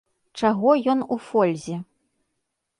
Чаго ён у фользе?